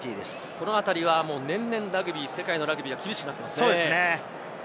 この辺りは年々、世界のラグビーは厳しくなっていますね。